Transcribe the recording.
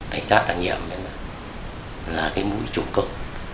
hành sát đặc nhiệm là cái mũi trụ cộng